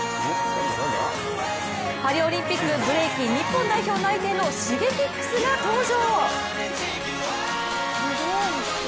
パリオリンピック、ブレイキン日本代表内定のＳｈｉｇｅｋｉｘが登場。